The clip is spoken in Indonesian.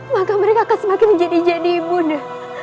maka mereka akan semakin menjadi ibu undang